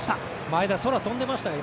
前田、空飛んでましたよ